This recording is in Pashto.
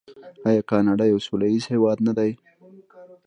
آیا کاناډا یو سوله ییز هیواد نه دی؟